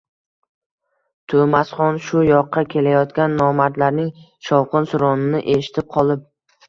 To’masxon shu yoqqa kelayotgan momandlarning shovqin- suronini eshitib qolib